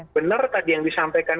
benar tadi yang disampaikan